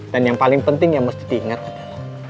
dan yang paling penting yang mesti diingat adalah